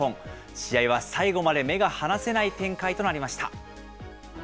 試合は最後まで目が離せない展開となりました。